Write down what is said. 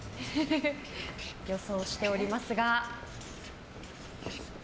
予想しておりますが。